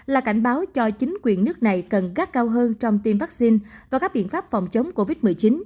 là cảnh báo cho chính quyền nước này cần gác cao hơn trong tiêm vaccine và các biện pháp phòng chống covid một mươi chín